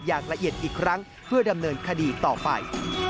อย่างละเอียดอีกครั้งเพื่อดำเนินคดีต่อไป